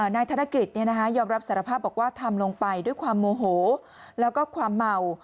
นายกธนกฤษยอมรับสารภาพบอกว่าทำลงไปด้วยความโมโหแล้วก็ความเมา